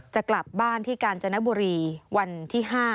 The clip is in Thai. จะกลับบ้านที่กาญจนบุรีวันที่๕